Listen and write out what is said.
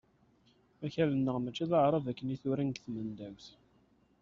Akal-nneɣ mačči d aɛrab akken i t-uran deg tmendawt.